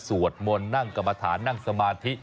สวดมนต์นั่งกรรมฐานนั่งสมาธิ